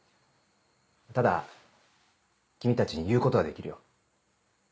ただ君たちに言うことはできるよ。